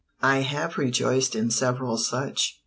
I have rejoiced in several such.